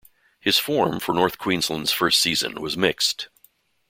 His form for North Queensland's first season was mixed.